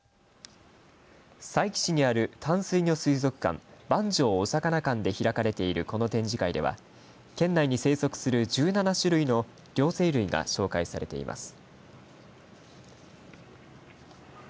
佐伯市にある淡水魚水族館番匠おさかな館で開かれているこの展示会では県内に生息する１７種類の両生類が紹介されています。